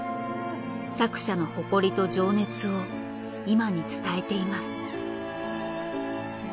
作者の誇りと情熱を今に伝えています。